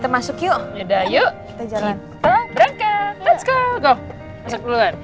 masuk kamu pegang aja